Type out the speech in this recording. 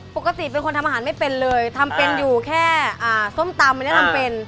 ปกติเป็นคนทำอาหารไม่เป็นเลยทำเป็นอยู่แค่ส้มตำอันนี้ทำเป็น